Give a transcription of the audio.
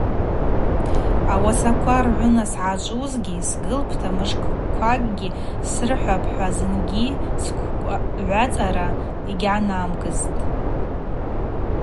Ауасаква ргӏвына съачӏвузгьи сгӏагылпӏта мшвыкӏ-агьикӏ срыхӏапӏ-хӏва зынгьи сгвгӏваца йгьгӏанамгсызтӏ.